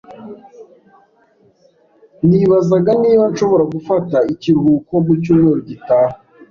Nibazaga niba nshobora gufata ikiruhuko mu cyumweru gitaha.